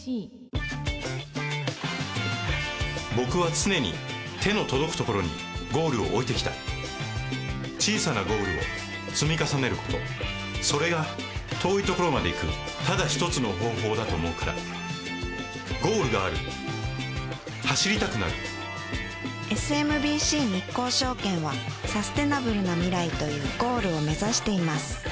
僕は常に手の届くところにゴールを置いてきた小さなゴールを積み重ねることそれが遠いところまで行くただ一つの方法だと思うからゴールがある走りたくなるＳＭＢＣ日興証券はサステナブルな未来というゴールを目指しています